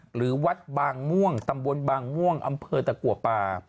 หรือวัดบางม่วงตำบลบางม่วงอำเภอตะกัวป่า